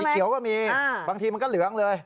เขียวก็มีบางทีมันก็เหลืองเลย